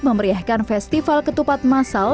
memeriahkan festival ketupat masal